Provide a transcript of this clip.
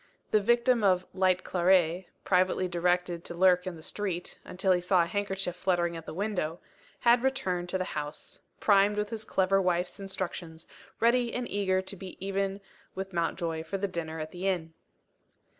The victim of "light claret" privately directed to lurk in the street, until he saw a handkerchief fluttering at the window had returned to the house; primed with his clever wife's instructions; ready and eager to be even with Mountjoy for the dinner at the inn.